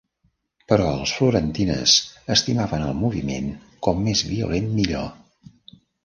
Però els Florentines estimaven el moviment, com més violent, millor.